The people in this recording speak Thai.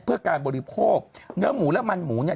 เพื่อการบริโภคเนื้อหมูและมันหมูเนี่ย